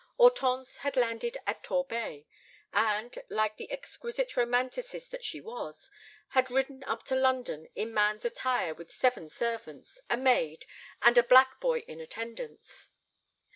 Hortense had landed at Torbay, and, like the exquisite romanticist that she was, had ridden up to London in man's attire with seven servants, a maid, and a black boy in attendance.